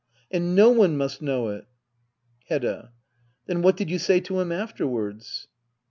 And no one must know it Hedda. Then what did you say to him afterwards